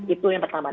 itu yang pertama